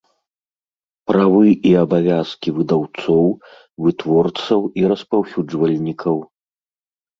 ПРАВЫ I АБАВЯЗКI ВЫДАЎЦОЎ, ВЫТВОРЦАЎ I РАСПАЎСЮДЖВАЛЬНIКАЎ